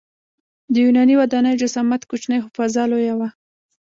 د یوناني ودانیو جسامت کوچنی خو فضا لویه وه.